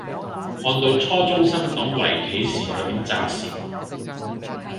看到初中生懂圍棋時有點咋舌